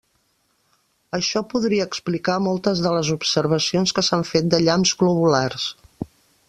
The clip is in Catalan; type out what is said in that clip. Això podria explicar moltes de les observacions que s’han fet de llamps globulars.